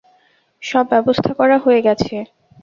সব ব্যবস্থা করা হয়ে গেছে।